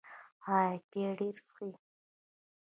ایا چای ډیر څښئ؟